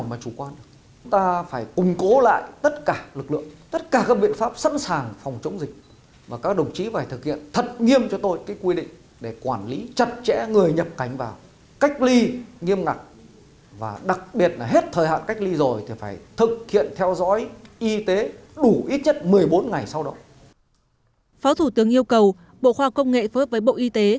phó thủ tướng yêu cầu bộ khoa công nghệ phối hợp với bộ y tế